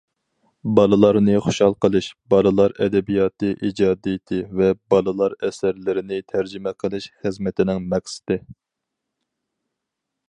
بالىلارنى خۇشال قىلىش بالىلار ئەدەبىياتى ئىجادىيىتى ۋە بالىلار ئەسەرلىرىنى تەرجىمە قىلىش خىزمىتىنىڭ مەقسىتى.